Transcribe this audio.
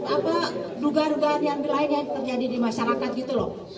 apa dugaan dugaan yang lain yang terjadi di masyarakat gitu loh